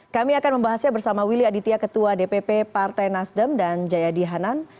kami akan membahasnya bersama willy aditya ketua dpp partai nasdem dan jayadi hanan